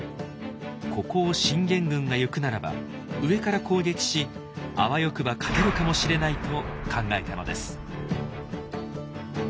ここを信玄軍が行くならば上から攻撃しあわよくば勝てるかもしれないと考えたのです。